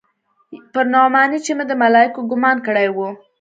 پر نعماني چې مې د ملايکو ګومان کړى و.